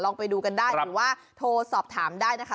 ไปดูกันได้หรือว่าโทรสอบถามได้นะคะ